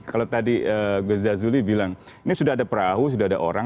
kalau tadi gus jazuli bilang ini sudah ada perahu sudah ada orang